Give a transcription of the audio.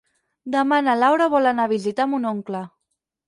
Demà na Laura vol anar a visitar mon oncle.